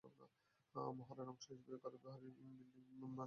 মহড়ার অংশ হিসেবে গাড়িবহর বারিক বিল্ডিং মোড় হয়ে সল্টগোলার দিকে যাচ্ছিল।